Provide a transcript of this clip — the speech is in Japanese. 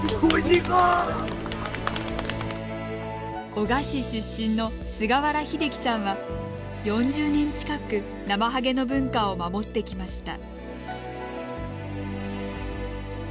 男鹿市出身の菅原英樹さんは４０年近くナマハゲの文化を守ってきました。